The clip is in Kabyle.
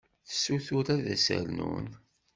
Tessuter ad as-rnun.